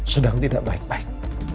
sedang tidak baik baik